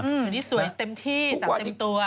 นี่สวยเต็มที่เสาร์เต็มตัว